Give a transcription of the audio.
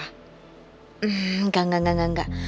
ehm engga engga engga